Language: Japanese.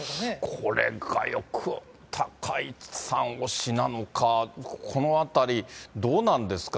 これがよく、高市さん推しなのか、このあたり、どうなんですか？